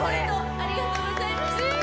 ありがとうございます。